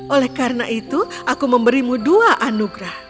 oleh karena itu aku memberimu dua anugerah